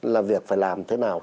là việc phải làm thế nào